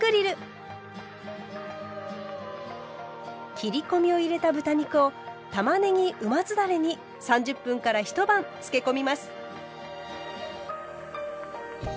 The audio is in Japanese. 切り込みを入れた豚肉をたまねぎうま酢だれに３０分から一晩つけ込みます。